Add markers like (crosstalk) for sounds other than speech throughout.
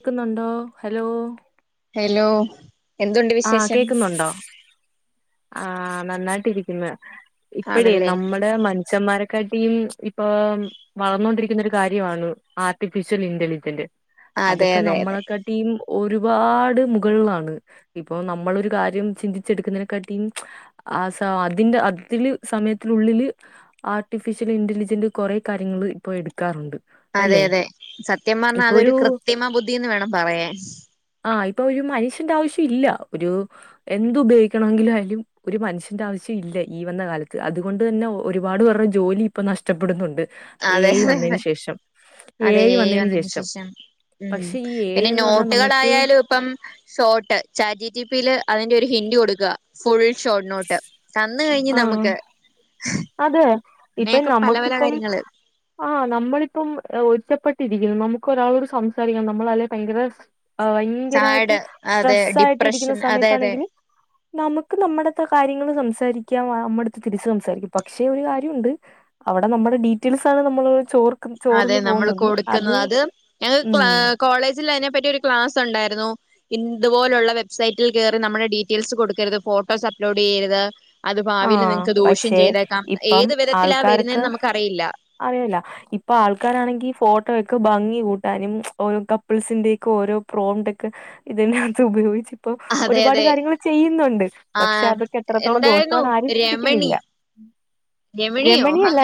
ക്കുന്നുണ്ടോ? Hello... hello, എന്തുണ്ട് വിശേഷം? പ്പണ്ടൊ? ആ നന്നായിട്ടിരിക്കുന്ന. ഇപ്പഴേ ആണല്ലേ നമ്മ (unintelligible) (unintelligible) മനുഷ്യന്മാരെക്കാട്ടീൽ ഇപ്പോം.. വളർന്നോൊണ്ടിരിക്കുന്നൊരു കാര്യൊ ആണ്. Artificial intelligent. അതെ അതൊക്കെ അതെ അതെ നമ്മളക്കാട്ടിം ഒരുപാട് മുകളിലാണ് ഇപ്പൊ നമ്മളൊരു കാര്യം ചിന്തിച്ചെടുക്കുന്നതിനെക്കാട്ടിം (unintelligible) ആ സ. അതിന്റെ അതില് സമയത്തിലുള്ളില്. ആർട്ടിഫിഷ്യല് ഇന്റലിജന്റ് കൊറേ കാര്യങ്ങള് ഇപ്പോ എടുക്കാറുണ്ട്. അതെ അല്ലെ അതെ സത്യം ഇപ്പൊ പറഞ്ഞാതൊരു ഒരു കൃത്രിമ ബുദ്ധിന്ന് വേണം പറയാൻ ആഹ് ഇപ്പൊരു മനുഷ്യന്റെ ആവശ്യം ഇല്ല ഒരു എന്തു പയോഗിക്കണമെങ്കിലും ആയാലും ഒരു മനുഷ്യന്റെ ആവശ്യം ഇല്ല. ഈ വന്ന കാലത്ത് അതുകൊണ്ട് തന്നെ ഓ ഒരുപാട് വേര്ടെ ജോലി ഇപ്പൊ നഷ്ടപ്പെടുന്നുണ്ട്. ഏ അതെ യി അതെ വന്നതിന് ശേഷം. അതെ,.. എ, ഐ വന്നതിന് ശേഷം ഉം, പക്ഷെ ഈ എ ഐ പിന്നെ എന്ന് പറഞ്ഞാൽ നമുക്ക് നോട്ടുകളായാലും പ്പം ഷോർട്ട് ചാറ്റി ജിപില് അതിന്റെ ഒരു ഹിൻഡ് കൊടുക്കുക ഫുൾ ഷോട്ട് നോട്ട് തന്ന് കഴിഞ്ഞു ആഹ് നമ്മക്ക്. (inaudible) അതെ, ഇപ്പം നമ്മുക്കിപ്പം. ആ. നമ്മളിപ്പം ഒറ്റപ്പെട്ടിരിക്കുന്നു. നമുക്ക് ഒരാളോട് സംസാരിക്കാം. നമ്മളല്ലേ ഭയങ്കര ആ യങ്കരമായിട്ട് സാഡ് അതെ സ്ട്രെസ്സ് ആയിട്ട് ഇരിക്കുന്ന ഡിപ്രഷൻ അതെ അതെ സമയത്താണെങ്കില് നമുക്ക് നമ്മടത്തെ കാര്യങ്ങൾ സംസാരിക്കാ നമ്മടടുത്ത് തിരിച്ചു സംസാരിക്കാ പക്ഷെ ഒരു കാര്യമുണ്ട് അവിടെ നമ്മുടെ ഡീറ്റെയിൽസാണ് നമ്മള് ചോർ അതെ, നമ്മള് കൊടുക്കുന്നത്. അത് ഉം (unintelligible) കോളേജില് അതിനെ പറ്റി ഒരു ക്ലാസൊണ്ടായിരുന്നു. ഇന്ത് പോലുള്ള വെബ്സൈറ്റിൽ കയറി നമ്മുടെ ഡീറ്റെയിൽസ് കൊടുക്കരുത്, ഫോട്ടോസ് അപ്ലോഡ് ചെയ്യരുത്. അത് ഭാവിൽ ആഹ് നിങ്ങക്ക് ദോഷ്യം പക്ഷെ ചെയ്തേക്കാം ഇപ്പം ഏത് വിധത്തിലാ വരുന്നേന്ന് നമുക്ക് അറിയില്ല അറിയുല്ല ഇപ്പൊ ആൾക്കാരാണെങ്കി ഫോട്ടോയൊക്കെ ഭംഗി കൂട്ടാനും ഓരോ കപ്പിൾസിന്റെയൊക്കെ ഓരോ പ്രോമ്ടൊക്കെ ഇതിനകത്ത് ഉപയോഗിച്ച ഇപ്പൊ അതെ ഒരുപാട് അതെ കാര്യങ്ങൾ ചെയ്യുന്നുണ്ട് പക്ഷെ ആഹ് അതൊക്കെ എത്രത്തോളം ദോഷം എന്തായിരുന്നു ഇപ്പതാരും രമണി ചിന്തിക്കുന്നില്ല. രമണിയോ രമണി അല്ല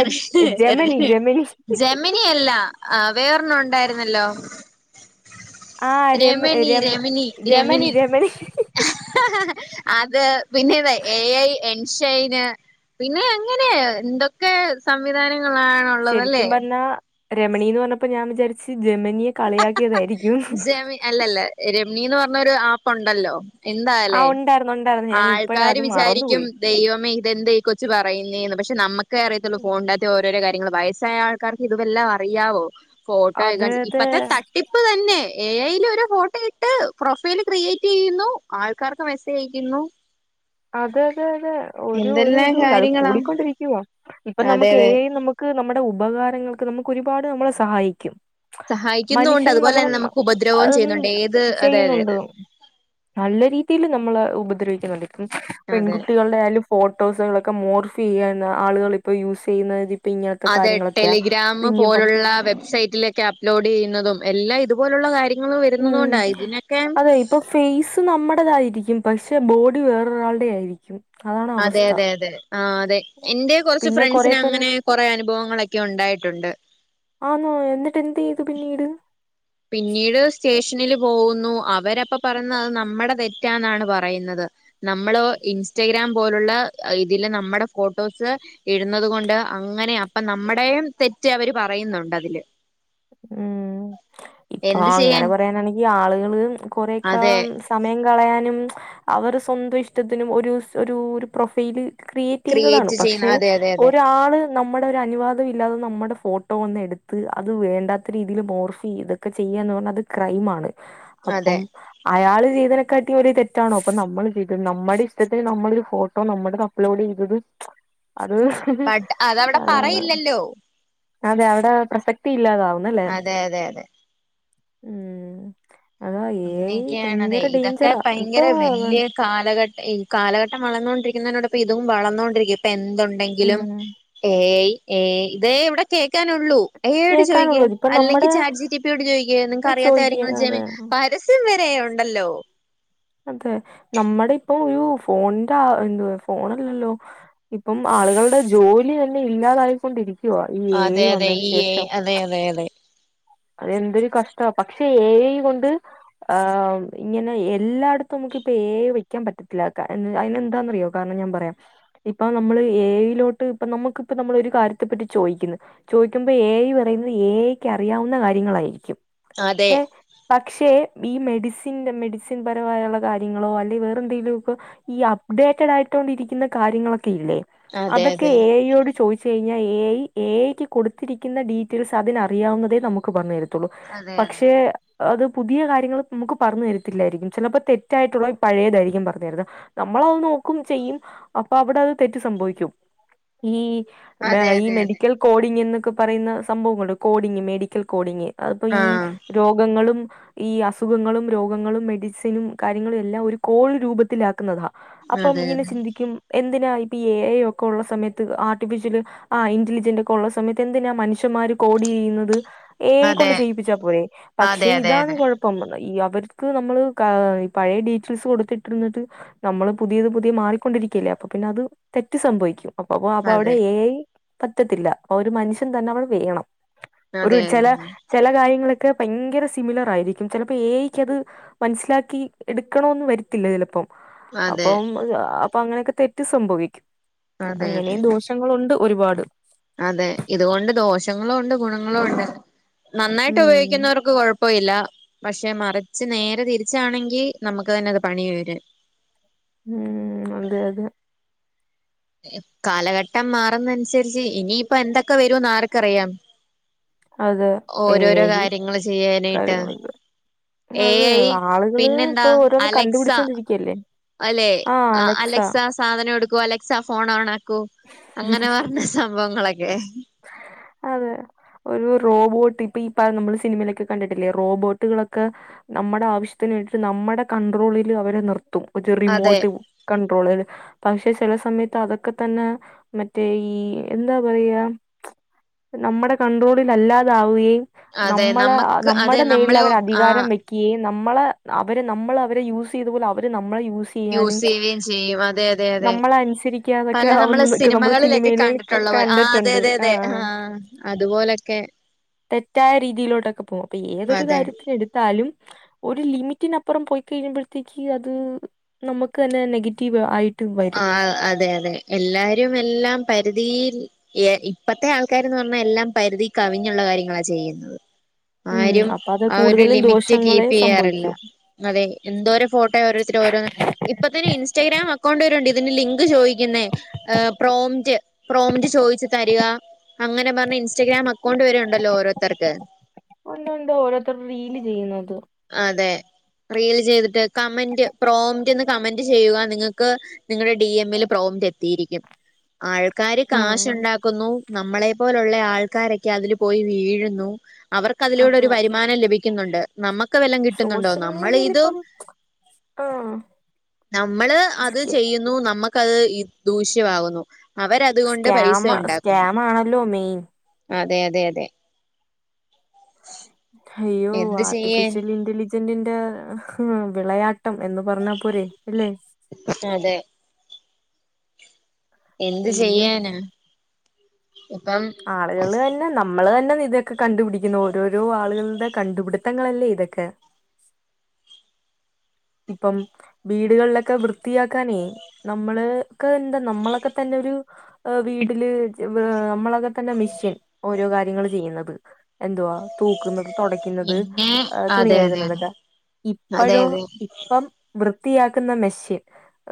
ജമനി ജമനി. (unintelligible) മിനിയല്ല. ആ വേറൊരണ്ണം ഉണ്ടായിരുന്നല്ലോ? ആ രമ രമനി രമ രമനി രമനി രമിനി. രമനി (unintelligible) അതെ. പിന്നെ (unintelligible) എ ഐ എൻഷൈന്. പിന്നെ അങ്ങനെ എന്തൊക്കെ സംവിധാനങ്ങളാ? ശരിക്കും പറഞ്ഞാ രമണീ ന്ന് പറഞ്ഞപ്പോ ഞാൻ വിചാരിച്ച് ജമനിയെ കളിയാ ട്ടിയതായിരിക്കും. ജമി അല്ലല്ല രമ്ണീന്ന് പറഞ്ഞൊരു ആപ്പുണ്ടല്ലോ എന്തായാലേ ഉണ്ടായിരുന്നുണ്ടായിരുന്നു. ആൾക്കാര് വിചാരിക്കും. ദൈവമേ ഇതെന്തെയി കൊച്ച് പറയുന്നെന്ന്. പക്ഷെ നമുക്ക അറിയത്തുള്ളൂ ഫോൺടകത്ത ഓരോരോ കാര്യങ്ങള് വയസ്സായ ക്കാർക്ക് ഇതെല്ലാം അറിയാവോ ഫോട്ടോക്കാ അതെ അതെ ഇപ്പത്തെ ത ടിപ്പ് തന്നെ എ ഐ ല് ഒരോ ഫോട്ടോ ഇട്ട് പ്രൊഫൈൽ ക്രിയേറ്റ് ചെയ്യുന്നു. ആൾക്കാർക്ക് മെസ്സേജ് യക്കുന്നു. ഇന്നോ അതെ അതെ അതെ ഒരു ഒരു എന്തെല്ലാം ഇതുല്ല അത് കാര്യങ്ങളാ കൂടിക്കൊണ്ടിരിക്കുവ ഇപ്പൊ അതെ നമുക്ക് അതെ ഏ ഐ നമുക്ക് ക് നമ്മുടെ ഉപകാരങ്ങൾക്ക് നമുക്ക് ഒരുപാട് നമ്മളെ സഹായിക്കും. സഹായിക്കുന്നുണ്ട് മനുഷ്യന് അതുപോലെ നമ്മൾ തന്നെ ന്ന നമുക്ക് ഉപദ്രവവും അതൊന്നും ചെയ്യുന്നുണ്ട് ഏത് അതെ അതെ ചെയ്യുന്നുണ്ടോ? അതെ നല്ല രീതിയില് നമ്മള് ഉപദ്രവിക്കുന്നുണ്ട്. ഇപ്പ അതെ പെൺകുട്ടികളുടെയാലും ഫോട്ടോസുകളൊക്കെ മോർഫ് ചെയ്യാൻ ആളുകൾ ഇപ്പോ യൂസ് ചെയ്യുന്നത് ഇപ്പൊ ഇങ്ങനത്തെ അതെ കാര്യങ്ങളൊക്കെയാ ടെലിഗ്രാമ് പിന്നിപ്പം പോലുള്ള വെബ്സൈറ്റില് ക്കെ അപ്ലോഡ് ചെയ്യുന്നതും. എല്ലാം ഇതുപോലുള്ള കാര്യങ്ങളും വരുന്ന തൊണ്ടാ ഇതിനൊക്കെ ഇപ്പോൾ ഫേസ് നമ്മുടേതായിരിക്കും. പക്ഷേ ബോഡി വേറൊരാളുടെ ആയിരിക്കും. അതാണ് അതെ അവസ്ഥ അതെ അതെ ആ അതെ എൻറെ കുറച്ച് പിന്നെ കൊറെ പേര് ഫ്രണ്ട്സിനങ്ങനെ. കുറെ അനുഭവങ്ങളൊക്കെ ഉണ്ടായിട്ടുണ്ട്. ആണോ എന്നിട്ട് എന്ത് ചെയ്തു പിന്നീട്? പിന്നീട് സ്റ്റേഷനില് പോകുന്നു അവരപ്പൊ പറയുന്നത്ത് അത് നമ്മുടെ തെറ്റാന്നാണ് പറയുന്നത്. നമ്മളോ ഇൻസ്റ്റഗ്രാം പോലുള്ള ഇതില് നമ്മുടെ ഫോട്ടോസ് ഇടുന്നത് കൊണ്ട് അങ്ങനെ അപ്പൊ നമ്മടെയും തെറ്റ് അവര് പറയുന്നുണ്ട് അതില് ഉം ഇപ്പൊ എന്ത് ചെയ്യാൻ അങ്ങനെ പറയാനാങ്കി ആളുകള് കൊറെക്കാ അതെ സമയം കളയാനും അവർ സ്വന്തം ഇഷ്ടത്തിനും ഒര് ഒരു ഒരു പ്രൊഫൈല് ക്രിയേറ്റ്യ്യ്ന്നതാണ് ക്രിയേറ്റ് ചെയ്യുന്ന പക്ഷെ അതെ അതെ അതെ ഒരാള് നമ്മുടെ ഒരു അനുവാദം ഇല്ലാതെ നമ്മുടെ ഫോട്ടോ ഒന്ന് എടുത്ത് അത് വേണ്ട വേണ്ടാത്ത രീതിൽ മോർഫി ഇതൊക്കെ ചെയ്യന്ന് പറഞ്ഞ അത് ക്രൈ ആണ്. അപ്പം അതെ അയാള് ചെയ്തതിനെക്കാട്ടി വലിയ ഒരു തെറ്റാണോ പ്പൊ നമ്മല് ചെയ്ത നമ്മുടെ ഇഷ്ടത്തിന് നമ്മളൊരു ഫോട്ടോ നമ്മുടെ കം (unintelligible) അത് ബട്ട് അതവിടെ അതാണ് പറയില്ലല്ലോ അതെ അവിടെ പ്രസക്തി ഇല്ലാതാവും ന്നല്ലേ അതെ അതെ അതെ ഉം അ ഏയ് അങ്ങനെയൊക്കെയാണ് ഭയങ്കര ഡേയിഞ്ചറാ ഇപ്പൊ കാലഘട്ടം ഈ കാലഘട്ടം വളർന്നുകൊണ്ടിരിക്കുന്നതിനോടൊപ്പം ഇതും വളർന്നോണ്ടിരിക്കും ഇപ്പൊ എൻ തുണ്ടെങ്കിലും ഉം ഏ, ഐ. എ, ഐ ഇതേ ഇവിടെ കേൾക്കാനുള്ളൂ. എ ഐ ട് ചോദിക്ക് കേക്കാനുള്ളത് ഇപ്പൊ അല്ലെങ്കിൽ നമ്മടെ ചാറ്റ്ജി ടി പി യോട് ചോദിക്ക് നിങ്ങക്ക് അറിയാത്ത ചോയ്ക്ക കാര്യങ്ങൾ ജെമി അതെ പരസ്യം വരെ ഉണ്ടല്ലോ അതെ നമ്മുടെ ഇപ്പം ഒരു ഫോണിന്റെ അത് ഫോണല്ലല്ലോ? ഇപ്പം ആളുകളുടെ ജോലി തന്നെ ഇല്ലാതായിക്കൊണ്ടിരിക്കുവാ. ഈ എ ഐ വന്നതിന് ശേഷം. അതെയതെയതെ അതെന്തൊരു കഷ്ടാ പക്ഷെ ഏ ഐയ് കൊണ്ട് ആം ഇങ്ങനെ എല്ലാടത്തും നമുക്കിപ്പോ ഏ ഐയ് വയ്ക്കാൻ പറ്റത്തില്ല കടന് അതിന്ന്താന്നറിയോ കാരണംഞാൻപറയാം ഇപ്പൊ നമ്മള് ഏ ഐലോട്ട് ഇപ്പ നമ്മക്കിപ്പം നമ്മളൊരു കാര്യത്തെപറ്റി ചോയ്ക്കുന്ന് ചോദിക്കുമ്പോ ഏ ഐ പറയുന്നത് ഏ ഐക്ക് അറിയാവുന്ന കാര്യങ്ങളായിരിക്കും അതെ ഏ പക്ഷെ ഈ മെഡിസിൻന്റെ മെഡിസിൻ പരമായുള്ള കാര്യങ്ങളോ അല്ലെ വേറെന്തെലുക്കെ ഈ അപ്ഡേറ്റഡ് ആയിട്ടൊണ്ടിരിക്കുന്ന കാര്യങ്ങളൊക്കെ ഇല്ലേ അതെ അതൊക്കെ അതെ എ ഐ യോട് ചോയി ടുത്തഴിഞ്ഞാൽ എ ഐ, എ ഐ, ക്ക് കൊടുത്തിരിക്കുന്ന ഡീറ്റെയിൽസ് അതിനറിയാവുന്നതേ നമുക്ക് പറഞ്ഞു. തരു. ത്തള്ളൂ അതെ അതെ പക്ഷേ അത് പുതിയ കാര്യങ്ങൾ നമുക്ക് പറഞ്ഞു തരത്തില്ലായിരിക്കും ചിലപ്പോൾ തെറ്റായിട്ടുള്ള പഴേതായിരിക്കും പറഞ്ഞു തരുന്നത്. നമ്മളത് നോക്കും ചെയ്യും അപ്പൊ അവിടെ അത് തെറ്റ് സംഭവിക്കും ഈ മ്മേ അതെ ഈ അതെ അതെ മെഡിക്കൽ കോഡിങ് എന്നൊക്കെ പറയുന്ന സംഭവങ്ങളുണ്ട്. കോഡിങ് മെഡിക്കൽ കോഡിങ്ങ് അത്പ്പോ ഈ ആ രോഗങ്ങളും. ഈ അസുഖങ്ങളും, രോഗങ്ങളും, മെഡിസിനും, കാര്യങ്ങളുഎല്ലാം ഒരു കോൾ രൂപത്തിലാക്കുന്നതാ അപ്പം അതെ ഇങ്ങനെ സിന്തിക്കും എന്തിനാ ഇപ്പ ഈ എ ഐ ഒക്കെ ഒള്ള സമയത്ത് ആർട്ടിഫിഷ്യല് ആഹ് ഇന്റലിജന്റ്ഒക്കെ ഉള്ള സമയത്ത് എന്തിനാ മനുഷ്യന്മാര് കോടിയുനത് ഏ ഐയ് അതെ കൊണ്ട് ചെയ്യിപ്പിച്ചാ പോരെ പക്ഷെ അതെ അതെ ഇതാണ് അതെ കൊഴ (unintelligible) ഈ അവർക്ക് നമ്മള്കാ ഇപഴയ ഡീറ്റെയിൽസ് കൊടുത്തിട്ടിരുന്നിട്ട് നമ്മള് പുതിയത് പുതിയ മാറിക്കൊണ്ടിരിക്കല്ലേ അപ്പ പിന്ന അത് തെറ്റ്സംഭവിക്കും. അപ്പ അപ്പപ്പ അതെ അവിടെ ഏയി പറ്റത്തില്ല ഒരുമനുഷ്യൻതന്നെഅവിടെ വേണം. അതെ അതെ അതെ ചെല ചെല കാര്യങ്ങളൊക്കെ ഭയങ്കര സിമിലർ ആയിരിക്കും ചിലപ്പോഏയിക്ക് അത് മനസ്സിലാക്കി എടുക്കണോന്ന് വരത്തില്ല ചെലപ്പം. അതെ അപ്പം അപ്പൊങ്ങനെക്കെ തെറ്റ്സംഭവിക്കും അതെ അതെ അങ്ങനെയും ദോഷ പ്രശ്നങ്ങളുണ്ട് ഒരുപാട് അതെ ഇതുകൊണ്ട് ദോഷങ്ങളുണ്ട് ഗുണങ്ങളുണ്ട് നന്നായിട്ട് ഉം ഉപയോഗിക്കുന്നവർക്ക് കൊഴ പ്പോയില്ല പക്ഷെ മറിച്ച്നേരെ തിരിച്ചാണെങ്കി നമ്മക്ക് തന്ന അത് പണി വര ഉഹ് അതെ അതെ കാലഘട്ടം മാറുന്നനുസരിച്ച് ഇനിയിപ്പ എന്തൊക്കെവരുന്ന് ആർക്കറിയാം. അതെ എ ഐ ഓരോരോകാര്യങ്ങള്ചെയ്യാനായിട്ട് കാര്യങ്ങളൊക്കെ ഏ അത് ഐയ് ആളുകള് പിന്നെന്താ ഇപ്പൊ ഓരോന്ന് അലക്സാ കണ്ടുപിടിച്ചോണ്ടിരിക്കല്ലേ അലെ ആ അലക്സ അഅലെക്സാസ് സാധനെടുക്കൂ അലക്സാ ഫോൺഓണാക്കു അങ്ങനെ പറഞ്ഞ സംഭവങ്ങളൊക്കെ അതെ ഒരു റോബോട്ട് ഇപ്പയീ ഇപ്പ നമ്മള് സിനിമലൊക്കെ കണ്ടിട്ടില്ലേ റോബോട്ടുകളൊക്കെ നമ്മടെ ആവശ്യത്തിന് വേണ്ടിട്ട് നമ്മടെ കഡ്രോളിലവരെ നിർത്തും ഒരു അതെ റിമോട്ട് കൺണ്ട്രോളില് (inaudible) പക്ഷെ ചെല സമയത്ത് അതൊക്കെതന്നെ മറ്റേഈ എന്താപറയാ നമ്മടെ കൺട്രോളിലല്ലാതാവുകയും അതെ നമ്മള നമ്മക്ക് അതെ നമ്മടെ മേലിൽ നമ്മളെ ആ അവരധികാരംവെ കി നമ്മളെ അവര്നമ്മള് അവരെയൂസയ്തയ്തപോലെ അവര് നമ്മളെയൂസ് യൂസ് ചെയ്യാനും ചെയ്യുകയും ചെയ്യും അതെ അതെ അതെ നമ്മളനുസരിക്കാതൊക്കെ പല നമ്മള് ആവുന്നതൊക്കെ നമ്മുടെ സിനിമകളിലൊക്കെ സിനിമേല് കണ്ടിട്ടുള്ള പോലെ ആ അതെ കകണ്ടിട്ടുണ്ട് അതെ ആ അതെ അതുപോലൊക്കെ തെറ്റായരീതിയിലോട്ടൊക്കെപോ അപ്പൊ ഏതൊരു അതെ കാര്യത്തിനടു താലും ഒരു ലിമിറ്റിനപ്പുറംപോയി കഴിയുമ്പഴത്തേക്ക് അത് നമുക്കന്നെ നെഗറ്റീവ്ആയി ആ അതെഅതെ എല്ലാരുംഎല്ലാം പരിധിയിൽ ഇപ്പത്തെആൾക്കാര്ന്ന്പറഞ്ഞാ എല്ലാംപരിധികവിഞ്ഞുള്ള കാര്യങ്ങളാ ചെയ്യുന്നത്. ഉം ആരും അപ്പൊ അത് കൂടുതലും ആഒരുലിമിറ്റ് ദോഷങ്ങളെ കീപ്പ്യ്യാറില്ല. സംഭവിക്കൂ അതെ എന്തോരോഫോട്ടോഓരോരുതര് ഓരോ ഇപ്പൊത്തന്നെഇൻസ്റ്റാഗ്രാം കൊണ്ടരുണ്ട് ഇതിന്റെ ലിങ്ക് ചോയ്ക്കുന്നേ പ്രോമ്റ്റ് പ്രോമിറ്റ് ചോദിച്ചു തെരാ അങ്ങനെപറഞ്ഞഇൻസ്റ്റാഗ്രാംഅക്കൗണ്ട് വരെഉണ്ടല്ലോഓരോത്തർക്ക് ഒണ്ട് ഒണ്ട് ഓരോരുത്തര്റീല് ചെയ്യുന്നത്. അതെ റീൽചെയ്ത്ട്ട് കമന്റ് പ്രൊമ്ൻഡ്ന്ന് കമന്റ്ചെയ്യുക നിങ്ങക്ക് നിങ്ങളുടെ ഡി എംൽ പ്രോമറ്റ് എത്തിയിരിക്കും ആൾക്കാാര് ആഹ് കാശ്ണ്ടാക്ക കുന്നു നമ്മളെ പോലുള്ള ആൾക്കാരൊക്കെ അതി പോയി വീഴുന്നു അവർക്ക് അതെ അതിലൂടൊരുവരുമാനം ലഭിക്കുന്നുണ്ട് നമ്മക്കവല്ലം കിട്ടുന്നുണ്ടോ സോഷ്യൽ നമ്മൾ മീഡിയയിൽ ഇതു ഇപ്പം ആഹ് നമ്മള്അത് സ്കാ ചെയ്യുന്നു ന്നു നമ്മക്കത് ഇ ദൂഷ്യമാവുന്നു സ്കാമ അവരതുകൊണ്ട്പൈസയുണ്ടാക്കുന്ന് സ്കാം ആണല്ലോ മെയിൻ അതെ അതെ അതെ അയ്യോ എന്ത് ചെയ്യാൻ ആർട്ടിഫിഷൽഇന്റലിജ (unintelligible) ന്റെ വിളയാട്ടംഎന്ന്പറഞ്ഞപോരെ അല്ലേ അതെ എന്ത് അയ്യോ ചെയ്യാനാ ഇപ്പം ആളുകൾ (unintelligible) പിന്നെ നമ്മള് തന്നെ ഇതൊക്കെ കണ്ടുപിടിക്കുന്നു ഓരോരോ ആളുകളുടെ കണ്ടുപിടുത്തങ്ങളല്ലേ ഇതൊക്കെ ഇപ്പം വീടുകളിലൊക്കെ വൃത്തിയാക്കാനേ നമ്മള്ക്കെ എന്താ നമ്മളൊക്കെ തന്നെ ഒരു ആ വീട്ടില് (unintelligible) നമ്മള ഇതൊക്ക തന്നെ മെഷീൻ ഓരോ കാര്യങ്ങൾ ചെയ്യുന്നത് എന്തോ തൂക്കുന്നത് തുടയ്ക്കുന്നത് പിന്നെ തുണി അതെ അതെ അതെ കഴുകുന്നതൊക്കെ അതെ ഇപ്പോഴോ അതെ ഇപ്പം വൃത്തിയാക്കുന്ന മെഷീൻ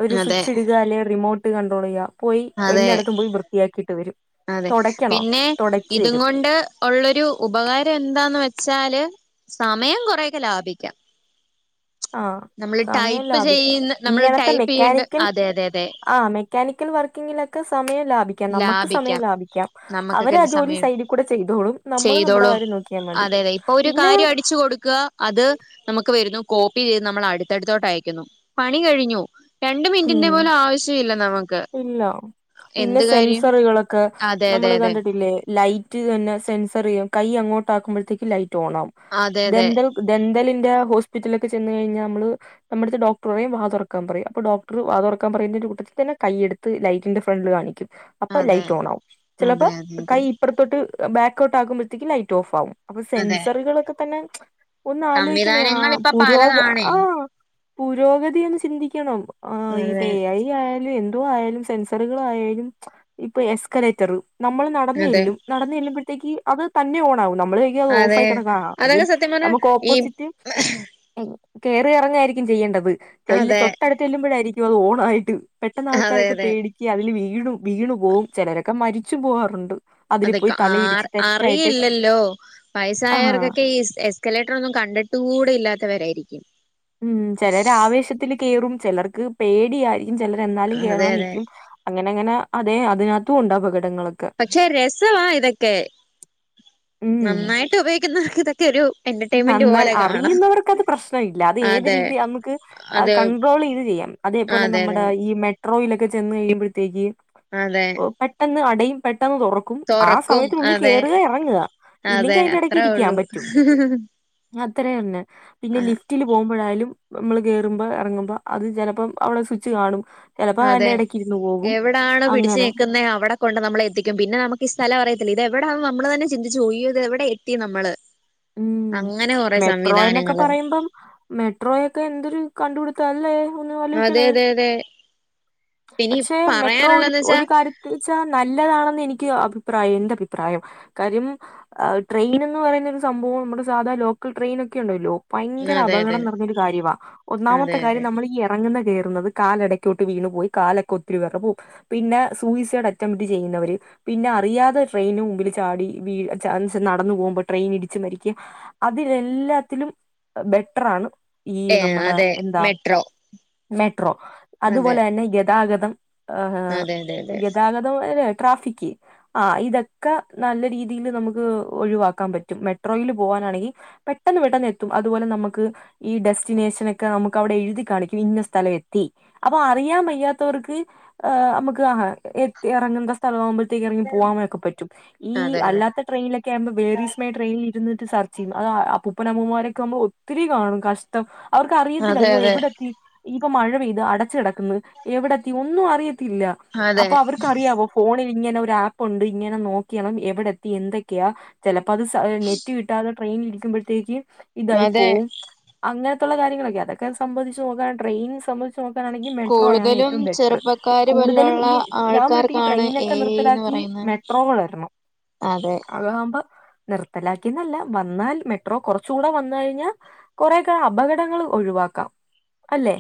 ഒരു അതെ സ്വിച്ച് ഇടക്കുക അല്ലെിൽ റിമോട്ട് കണ്ട്രോൾ ചെയ്യുക പോയി അതെ എല്ലായിടത്തും പോയി വൃത്തിയാക്കിട്ട് വരും അതെ തുടയ്ക്കണോ പിന്നെ തുടച്ചു ഇതും തരും കൊണ്ട് ഉള്ളൊരു ഉപകാരം എന്താന്ന് വെച്ചാല് സമയം കൊറെേയൊക്കെ ലാഭിക്കാം ആ നമ്മള് സമയം ടൈപ്പ് ലാഭിക്കാം ചെയ്യുന്ന നമ്മള് ഇങ്ങനത്തെ ടൈപ്പ് ചെയ്യേണ്ട മെക്കാനിക്കൽ അതെ അതെ അതെ ആ മെക്കാനിക്കൽ വർക്കിങ്ങിലൊക്കെ സമയം ലാഭിക്കും നമുക്ക് സമയം ലാഭിക്കാം ലാഭിക്കാം അവര് ആ നമ്മുക്കൊക്കെ ജോലി സമയം സൈഡിൽ കൂടെ ചെയ്തോളും നമ്മള് നമ്മുടെ ചെയ്തോളും കാര്യം നോ അതെ അതെ ഇപ്പൊ ഒരു കാര്യം അടിച്ചു കൊടുക്കുക അത് നമുക്ക് വരുന്നു കോപ്പി ചെയ്ത് നമ്മൾ അടുത്തടുത്തോട്ട് അയക്കുന്നു പണി കഴിഞ്ഞു രണ്ട് ഉം മിനിറ്റിന്റെ പോലും ആവശ്യം ഇല്ല നമുക്ക് ഇല്ല പിന്നെ എന്ത് കാര്യം സെൻസറുകളൊക്കെ അതെ നമ്മൾ അതെ അതെ കണ്ടിട്ടില്ലേ ലൈറ്റ് (unintelligible) തന്നെ സെൻസർ ചെയ്യും കൈ അങ്ങോട്ട് ആക്കുമ്പോഴത്തേക്ക് ലൈറ്റ് ഓൺ ആകും അതെ അതെ ദന്ത ഡെന്തലിന്റെ ഹോസ്പിറ്റലിലൊ ക്കെ ചെന്ന് കഴിഞ്ഞാൽ നമ്മള് നമ്മ ട്‌ത് ഡോക്ടർ വേവാ തുറക്കാൻ പറയും അപ്പോ ഡോക്ടർ അത്ഉറക്കാൻ പറയുന്ന കൂട്ടത്തിൽ തന്നെ കയ്യെടുത്ത് ലൈറ്റിന്റെ ഫ്രണ്ട്കാണിക്കും അപ്പൊ അതെ ലൈറ്റ് ഓൺ ആകും ചിലപ്പോ അതെ അതെ കൈ അതെ ഇപ്പറത്തോട്ട് ബാക്കോട്ട് ആകുമ്പോഴത്തേക്കും ലൈറ്റ് ഓഫ് ആകും അപ്പൊ അതെ സെൻസറുകളൊക്കെ തന്നെ ഒന്ന് ആലോചിക്കണ ആ സംവിധാനങ്ങൾ ഇപ്പൊ പുരോ പലതാണേ ആഹ പുരോഗതിയന്ന് ചിന്തിക്കണം്ആ ഈ അതെ (unintelligible) ആയാലും എന്തോ ആയാലും സെൻസറുകായയാലും ഇപ്പൊ എസ്കലേറ്ററും നമ്മൾ നടന്നു അതെ ചെല്ലും നടന്ന് ചെല്ലുമ്പോഴത്തേക്ക് അത് തന്നെ ഓണ ആകും നമ്മള് (unintelligible) ഓഫ അതെ ആയി കിടന്ന അതൊക്കെ (unintelligible) സത്യം പറഞ്ഞാ നമുക്ക് ഈ ഓപ്പോസിറ്റ് കയറി ഇറങ്ങായിരിക്കും ചെയ്യേണ്ടത് ചെല്ല് അതെ തൊട്ടടുത്ത് ചെല്ലുമ്പോഴായിരിക്കും അത് ഓണായിട്ട് പെട്ടെന്ന് അതെ ആൾക്കാരൊക്കെ അതെ പേടിിക്ക അതില് വീഴും വീണു പോകുംചിലരൊക്കെ മരിച്ചും പോകാറുണ്ട് അതൊക്കെ ആ അറിയില്ലല്ലോ ആ വയസായവർക്കൊക്കെ ഈ കലേറ്ററെന്നും കണ്ടിട്ട് കൂടെ ഇല്ലാത്തവരായിരിക്കും ഉം ചിലർ ആവേശത്തിൽ കയറും ചിലർക്ക് പേടിയായിരിക്കും ചിലർ എന്നാലും അതെ കേറാൻ അതെ നിിക്കും അങ്ങനെ അങ്ങനെ അതെ അതിനകത്തും ഉണ്ട് അപകടങ്ങളൊക്കെ പക്ഷെ രസവാ ഇതൊക്കെ ഉം നന്നായിട്ട് ഉപയോഗിക്കുന്ന ഇതൊക്കെ ഒരു എന്റർടൈൻമെന്റ് പോലെ കാണാം ഉംനന്നായിഅറിയുന്നവർക്ക് അത് പ്രശ്നം ഇല്ല അത് ഏത് അതെ രീതി നമുക്ക് അതെ കൺട്രോൾ ഇത് ചെയ്യാം അതേപോലെ അതെ അതെ നമ്മുടെ ഈ മെട്രോയിലൊക്കെ ചെന്ന് കഴിയുമ്പോഴത്തേക്ക് അതെ പെട്ടെന്ന് അടയും പെട്ടെന്ന് തുറക്കും ും ആ തൊറക്കും സമയത്തിനുള്ളിൽ അതെ കയറുക ഇറങ്ങുക അതെ ഇല്ലെങ്കിൽ അതിന്റെ ഇടയ്ക്ക് അത്രേ ഇരിക്കാൻ പറ്റും (unintelligible) അത്രേയന്നെ പിന്നെ ലി റ്റിലു പോവുമ്പോഴായാലും നമ്മള് കേറുമ്പോ ഇറങ്ങുമ്പോ അത് ചെലപ്പം അവടെ സ്വിച്ച് കാണും ചിലപ്പോ അതെ അതിന്റെ ഇടയ്ക്ക് ഇരുന്ന് പോകും എവിടണോ പിടിച്ച് അങ്ങനെ നിക്കുന്ന അവിടെ കൊണ്ട് നമ്മള എത്തിക്കും പിന്നെ നമുക്ക് ഈ സ്ഥലം അറിയത്തില്ല ഇത് എവിടെ നമ്മള് തന്നെ ചിന്തിച്ചു പോകും യ്യോ ഇത് എവിടെ എത്തി നമ്മള് ഉം അങ്ങനെ കൊറേ മെട്രോ എന്നൊക്കെ സംവിധാനങ്ങള് പറയുമ്പം മെട്രോയൊക്കെ എന്തൊരു കണ്ടുകിടുത്ത അല്ലേ ഒന്ന് അതെ വലിക്കണേ അതെ അതെ ഇനി പക്ഷെ മെട്രോ ഒരു പറയാനുള്ളന്ന് വെച്ചാ ഒരു കാര്യത്തി തീച്ചാ നല്ലതാണെന്ന് എനിക്ക് അഭിപ്രായം എന്റെ അഭിപ്രായം കാര്യം ട്രെയിൻ എന്ന് പറയുന്ന ഒരു സംഭവം നമ്മുടെ സാധാരണ ലോക്കൽ ട്രെയിന ഒക്കെ ഉണ്ടല്ലോ ഭയങ്കര അതെ അതെ അപകടം നിറഞ്ഞൊരു കാര്യമാ അതെ ഒന്നാമത്തെ അതെ കാര്യം നമ്മൾ ഈ എറങ്ങുന്ന കേറുന്നത് കാലെടക്കോട്ട് വീണു പോയ് കാലൊക്കെ ഒത്തിരി വെറ പിന്നെ സൂയിസൈഡ് അറ്റംമ്റ്റ് ചെയ്യുന്നവര് പിന്നെ അറിയാതെ ട്രെയിനു മുമ്പില് ചാടി വീഴ ചാൻസ് നടന്നു പോകുമ്പോ ട്രെയിനിടി ച്ച് മരിക്കും അതിലെല്ലാത്തിലും ബെറ്ററാണ് ഈ ഏ നമ്മടെ അതെ എന്താ മെട്രോ മെട്രോ അതെ അതുപോലന്നെ ഗതാഗതം ആഹാ അതെ അതെ അതെ ഗെതാഗതം വരെ ട്രാഫിക്ക് ആ ഇതൊക്കെ നല്ലരീതില് നമുക്ക് ഒഴിവാക്കാം പ്പറ്റും മെട്രോല് പോവാനാണെങ്കി പെട്ടെന്ന് പെട്ടെന്ന് എത്തും അതുപോലെ നമുക്ക് ഈ ഡെസ്റ്റിനേഷനൊക്കെ നമുക്ക് അവിടെ എഴുതി കാണിക്കും ഇന്ന സ്ഥലം എത്തി അപ്പൊ അറിയാൻവയ്യാത്തോർക്ക് നമുക്ക് ആഹാ എത്തി എറങ്ങേണ്ടസ്ഥലോ പുറത്തേക്കിറങ്ങി പോവാമേയൊക്കെപറ്റും ഈ അതെ അതെ അല്ലാത്ത ട്രെയിനിലൊക്കെയാവുമ്പോ വേറീസ്‌മൈ ട്രെയി എന്നിട്ട് സർച്ചെയ്യും അതാ അപ്പൂപ്പനമ്മൂമാരൊക്കെവുമ്പോ ഒത്തിരി കാണും കാഷ് ട്ടം അവർക്കറിയത്തില്ല അതെ അയ്യോ അതെ എവിടെ എത്തി ഇനിയിപ്പൊ മഴ പെയ്ത അടച്ച് കെടക്ക്ന്ന് എവിടെ എത്തി ഒന്നും അറിയത്തില്ലാ അതെ അപ്പൊ അവർക്കറിയാവോ ഫോണിലിങ്ങനെ ഒരാപ്പുണ്ട് ഇങ്ങനെ നോക്കിയണം എവടെത്തി എന്തൊക്കെയാ ചെലപ്പോ അത് സ നെ ഇല്ലാതെ ട്രെയിനിൽ ഇരിക്കുമ്പോഴത്തേക്ക് ഇതായി അതെ പോവും അങ്ങൻത്തുള്ള കാര്യങ്ങളൊക്കെ അതൊക്കെ സംബധിച്ച് നോക്കാണെ ട്രയിൻ സംബ നോക്കാനാണെങ്കി മെട്രോ ആണ് കൂടുതലും ഏറ്റവും ബെറ്ററ് ചെറുപ്പക്കാര് കൂടുതലും പോലുള്ള ഈ ഞാൻ പറയട്ടെ ഈ ആൾക്കാർക്കാണ് എ ട്രെയിനൊക്കെ ഐ ന്ന് നിർത്തലാക്കി പറയുന്നത് മെ ട്രോള് വര്ണം അതെ അതാവുമ്പം നിർത്തലാ കെന്നല്ല വന്നാൽ മെട്രോ കൊറച്ചു കൂടെ വന്നുകഴിഞ്ഞാ കൊറെക്കെ അപകടങ്ങൾ ഒഴിവാക്കാം. അല്ലേ.